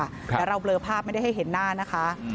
แต่เราเบลอภาพไม่ได้ให้เห็นหน้านะคะ